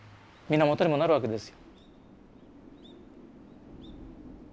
源にもなるわけです。